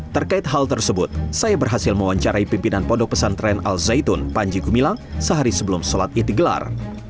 terkait hal tersebut saya berhasil mewawancarai pimpinan pondok pesantren al zaitun panji gumilang sehari sebelum sholat id digelar